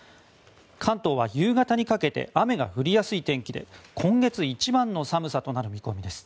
関東は夕方にかけて雨が降りやすい天気で今月一番の寒さとなる見込みです。